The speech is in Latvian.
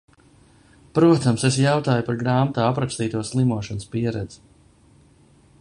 Protams, es jautāju par grāmatā aprakstīto slimošanas pieredzi.